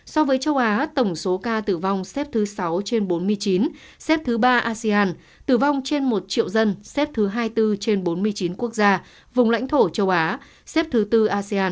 so với châu á tổng số ca tử vong xếp thứ sáu trên bốn mươi chín xếp thứ ba asean tử vong trên một triệu dân xếp thứ hai mươi bốn trên bốn mươi chín quốc gia vùng lãnh thổ châu á xếp thứ tư asean